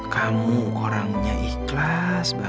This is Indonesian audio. kamu biasa beli apa